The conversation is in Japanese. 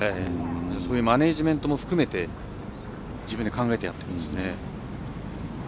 そういうマネジメントも含めて自分で考えてやっているんですね。